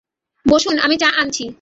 বসুন, আমি চা আনছি।